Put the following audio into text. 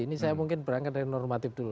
ini saya mungkin berangkat dari normatif dulu